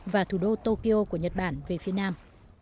và thủ đô tokyo của nhật bản về phía nam